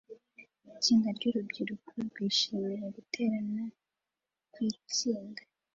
itsinda ryurubyiruko rwishimiye guterana kwitsinda